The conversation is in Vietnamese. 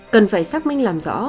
cần phải xác minh làm rõ